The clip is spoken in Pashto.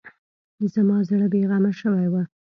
زما زړه بې غمه شوی و.